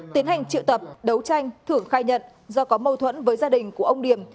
tiến hành triệu tập đấu tranh thưởng khai nhận do có mâu thuẫn với gia đình của ông điểm